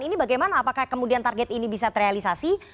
ini bagaimana apakah kemudian target ini bisa terrealisasi